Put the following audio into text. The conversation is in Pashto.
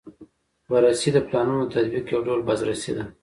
بررسي د پلانونو د تطبیق یو ډول بازرسي ده.